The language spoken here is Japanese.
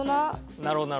なるほどな。